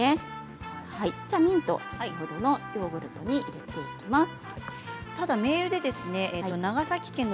先ほどのヨーグルトに入れていきます。